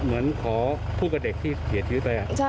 เหมือนพูดกับเด็กที่เหตุผิดไปอ่ะอ๋อ